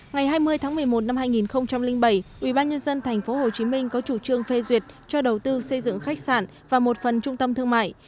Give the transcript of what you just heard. ngày hai mươi tháng một mươi một năm hai nghìn bảy ubnd tp hcm có chủ trương phê duyệt cho đầu tư xây dựng khách sạn và một phần trung tâm thương mại